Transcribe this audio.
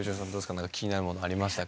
何か気になるものありましたか？